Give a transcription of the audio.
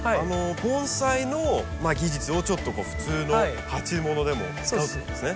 盆栽の技術をちょっと普通の鉢物でも使うということですね。